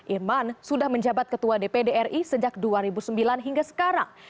irman sudah menjabat ketua dpd ri sejak dua ribu sembilan hingga sekarang